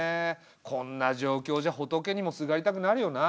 こんな状況じゃ仏にもすがりたくなるよな。